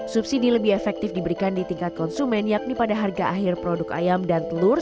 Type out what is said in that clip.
subsidi lebih efektif diberikan di tingkat konsumen yakni pada harga akhir produk ayam dan telur